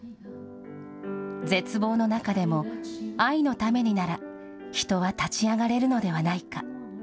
絶望の中でも、愛のためになら、人は立ち上がれるのではないか。